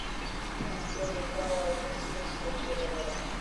میں ان کو دیکھتا اور کچھ سوچے بغیر